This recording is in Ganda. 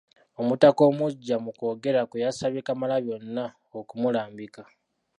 Omutaka Omuggya mu kwogera kwe, yasabye Kamalabyonna okumulambika.